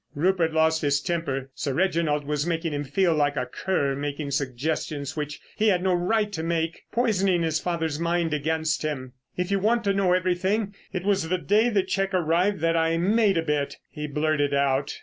Rupert lost his temper. Sir Reginald was making him feel a cur, making suggestions which he had no right to make; poisoning his father's mind against him. "If you want to know everything, it was the day the cheque arrived that I made a bit," he blurted out.